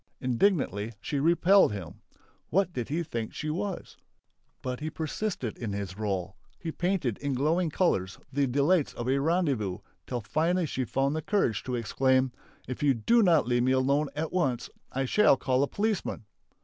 Indignantly she repelled him. What did he think she was! But he persisted in his role; he painted in glowing colours the delights of a rendezvous, till finally she found the courage to exclaim: "If you do not leave me at once, I shall call a policeman!"